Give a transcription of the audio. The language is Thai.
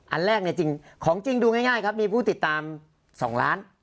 อันแรกเนี่ยจริงของจริงดูง่ายครับมีผู้ติดตาม๒ล้าน